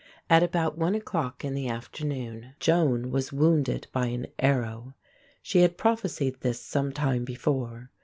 At about one o'clock in the afternoon Joan was wounded by an arrow. She had prophesied this sometime before.